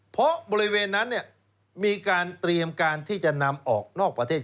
เพราะบริเวณนั้นมีการเตรียมการที่จะนำออกนอกประเทศ